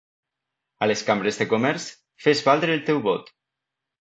A les cambres de comerç, fes valdre el teu vot.